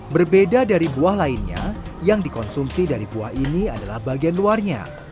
berbeda dari buah lainnya yang dikonsumsi dari buah ini adalah bagian luarnya